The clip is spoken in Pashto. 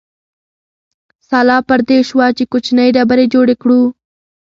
سلا پر دې شوه چې کوچنۍ ډبرې جوړې کړو.